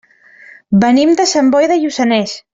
Venim de Sant Boi de Lluçanès.